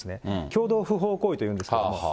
共同不法行為というんですけれども。